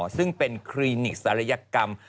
ซึ่งเป็นคลีนิกสรรยากรรม